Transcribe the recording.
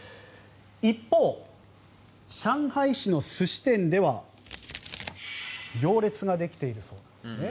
一方、上海市の寿司店では行列ができているそうなんですね。